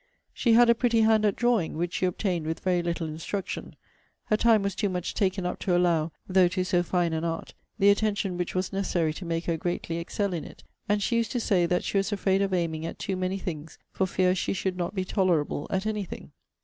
She had a pretty hand at drawing, which she obtained with very little instruction. Her time was too much taken up to allow, though to so fine an art, the attention which was necessary to make her greatly excel in it: and she used to say, 'That she was afraid of aiming at too many things, for fear she should not be tolerable at any thing.'